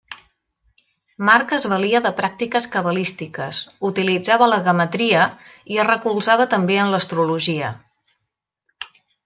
Marc es valia de pràctiques cabalístiques, utilitzava la guematria i es recolzava també en l'astrologia.